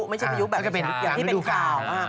มันก็เป็นข้าว